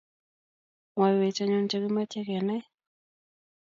Mwaiwech anyun che kimache kenai